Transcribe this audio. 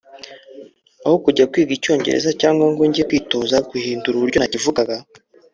Aho kujya kwiga Icyongereza cyangwa ngo njye kwitoza guhindura uburyo nakivugaga